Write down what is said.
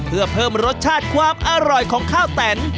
เพื่อเพิ่มรสชาติความอร่อยของข้าวแตน